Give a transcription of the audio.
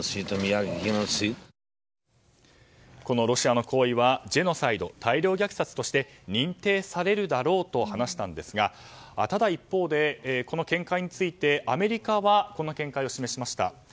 ロシアの行為はジェノサイド・大量虐殺として認定されるだろうと話したんですがただ、一方でこの見解についてアメリカはこんな見解を示しました。